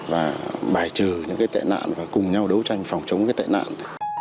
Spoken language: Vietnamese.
và bài trừ những cái tệ nạn và cùng nhau đấu tranh phòng chống cái tệ nạn